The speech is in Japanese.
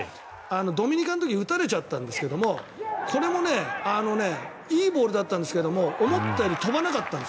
ドミニカの時に打たれちゃったんですけどこれもいいボールだったんですけど思ったより飛ばなかったんです。